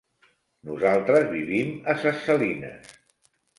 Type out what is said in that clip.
Nosaltres vivim a Ses Salines.